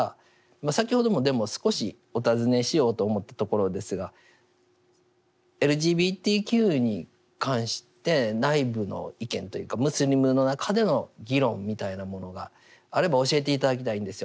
先ほどもでも少しお尋ねしようと思ったところですがＬＧＢＴＱに関して内部の意見というかムスリムの中での議論みたいなものがあれば教えて頂きたいんですよ。